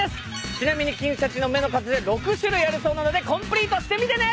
ちなみに金しゃちの目の数が６種類あるそうなのでコンプリートしてみてね。